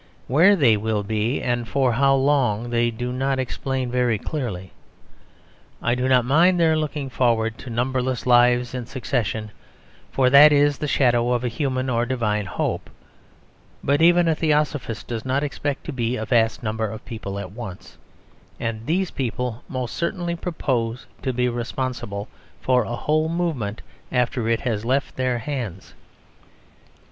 Where they will be, and for how long, they do not explain very clearly. I do not mind their looking forward to numberless lives in succession; for that is the shadow of a human or divine hope. But even a theosophist does not expect to be a vast number of people at once. And these people most certainly propose to be responsible for a whole movement after it has left their hands.